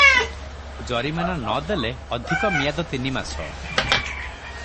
ଜରିମାନା ନ ଦେଲେ ଅଧିକ ମିଆଦ ତିନିମାସ ।'